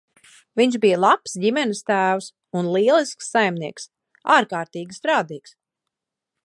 Viņš bija labs ģimenes tēvs un lielisks saimnieks, ārkārtīgi strādīgs.